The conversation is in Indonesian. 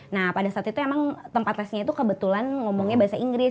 nah pada saat itu emang tempat tesnya itu kebetulan ngomongnya bahasa inggris